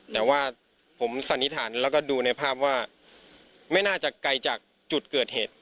แต่ว่าผมสันนิษฐานแล้วก็ดูในภาพว่าไม่น่าจะไกลจากจุดเกิดเหตุ